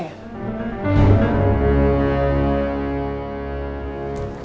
yang bintang indonesia